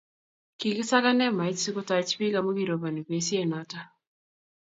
kikisakan hemait sikutach biik amu kiroboni besie noto.